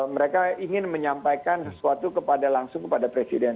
mereka ingin menyampaikan sesuatu langsung kepada presiden